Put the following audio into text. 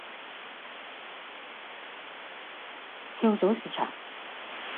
跳蚤市場